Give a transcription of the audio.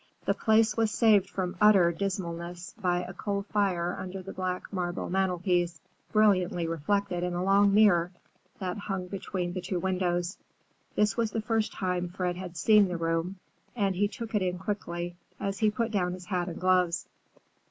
The place was saved from utter dismalness by a coal fire under the black marble mantelpiece,—brilliantly reflected in a long mirror that hung between the two windows. This was the first time Fred had seen the room, and he took it in quickly, as he put down his hat and gloves.